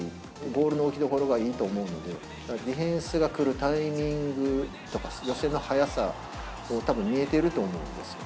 ボールの置きどころがいいと思うので、だからディフェンスが来るタイミングとか、寄せの速さを、たぶん見えてると思うんですよ。